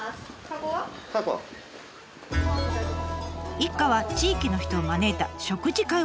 一家は地域の人を招いた食事会をすることに。